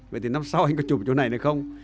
vậy thì năm sau anh có chụp chỗ này được không